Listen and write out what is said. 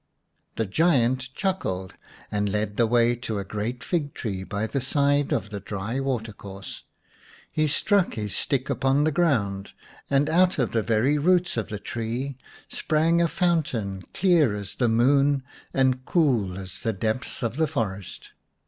The giant chuckled, and led the way to a great fig tree by the side of the dry water course. He struck his stick upon the ground, and out of the very roots of the tree sprang a fountain clear as the moon and cool as the depths of the forest.